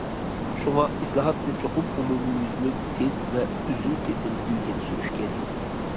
شۇڭا، ئىسلاھاتنى چوقۇم ئومۇميۈزلۈك، تېز ۋە ئۈزۈل- كېسىل ئىلگىرى سۈرۈش كېرەك.